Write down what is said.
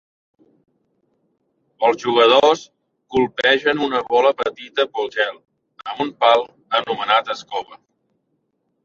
Els jugadors colpegen una bola petita pel gel amb un pal anomenat escoba.